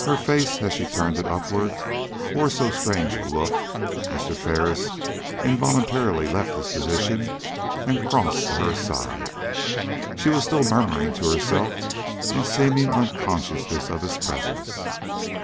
Her face, as she turned it upward, wore so strange a look, Mr. Ferris involuntarily left his position and crossed to her side. She was still murmuring to herself in seeming unconsciousness of his presence.